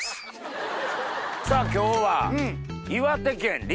さぁ今日は。